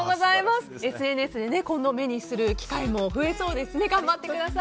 今後、ＳＮＳで目にする機会も増えそうですね。